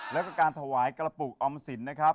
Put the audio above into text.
แล้วก็การถวายกระปุกออมสินนะครับ